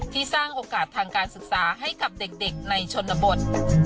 สร้างโอกาสทางการศึกษาให้กับเด็กในชนบท